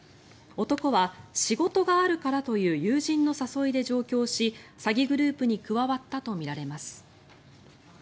男は仕事があるからという友人の誘いで上京し詐欺グループに加わったとみられます。